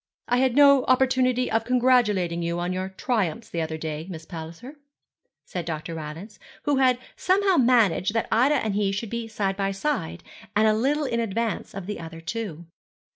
'I had no opportunity of congratulating you on your triumphs the other day, Miss Palliser,' said Dr. Rylance, who had somehow managed that Ida and he should be side by side, and a little in advance of the other two.